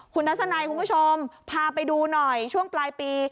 คุณทัศนัยคุณผู้ชมพาไปดูหน่อยช่วงปลายปี